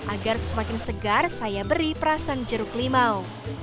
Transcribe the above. agar semakin segar saya beri perasan jeruk limau